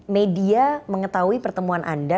media mengetahui pertemuan anda